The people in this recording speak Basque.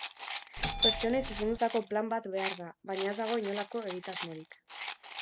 Pertsonei zuzendutako plan bat behar da, baina ez dago inolako egitasmorik.